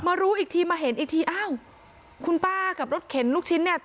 รู้อีกทีมาเห็นอีกทีอ้าวคุณป้ากับรถเข็นลูกชิ้นเนี่ย